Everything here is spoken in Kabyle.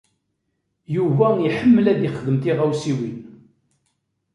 Yuba iḥemmel ad ixdem tiɣawsiwin.